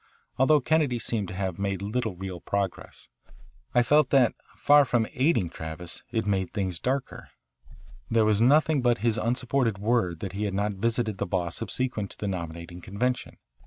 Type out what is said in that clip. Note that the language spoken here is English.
Although Kennedy seemed to have made little real progress, I felt that, far from aiding Travis, it made things darker. There was nothing but his unsupported word that he had not visited the Boss subsequent to the nominating convention.